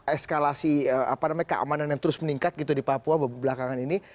eskalasi keamanan yang terus meningkat gitu di papua belakangan ini